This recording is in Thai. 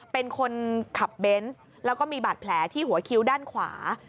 เป็นคนขับเบนส์แล้วก็มีบาดแผลที่หัวคิ้วด้านขวา